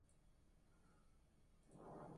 El slogan de esta campaña fue "Volvemos por Mendoza".